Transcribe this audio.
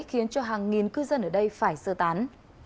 khiến cho hàng nghìn cư dân ở đây phải sơ tán